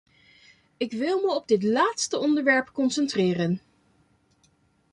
Ik wil me op dit laatste onderwerp concentreren.